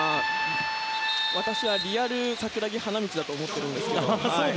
私はリアル桜木花道だと思っているんですが。